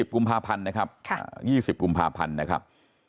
กุมภาพันธ์นะครับ๒๐กุมภาพันธ์นะครับ